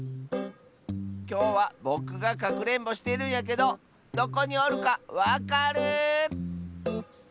きょうはぼくがかくれんぼしてるんやけどどこにおるかわかる？